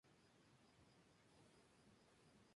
Flores blancas fragantes se forman en primavera.